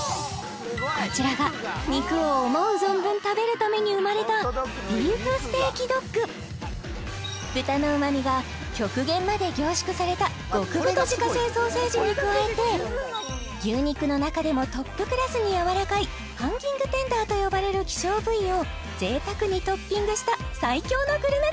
こちらが肉を思う存分食べるために生まれた豚のうまみが極限まで凝縮された極太自家製ソーセージに加えて牛肉の中でもトップクラスにやわらかいハンギングテンダーと呼ばれる希少部位をぜいたくにトッピングした最強のグルメ